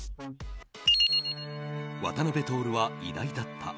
渡辺徹は偉大だった。